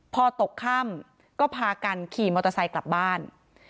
พอตกค่ำก็พากันขี่มอเตอร์ไซค์กลับบ้าน